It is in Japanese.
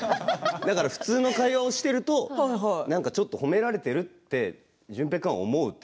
だから普通の会話をしているとちょっと褒められているって淳平君は思う。